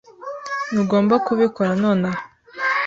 Ntugomba kubikora nonaha.